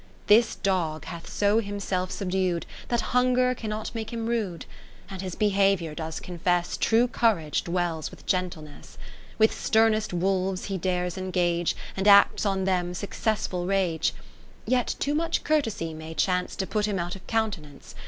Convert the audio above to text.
This dog hath so himself subdu'd, That hunger cannot make him rude : And his behaviour does confess True courage dwells with gentleness. With sternest wolves he dares engage, And acts on them successful rage. Yet too much courtesy may chance To put him out of countenance.